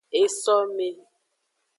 Esome.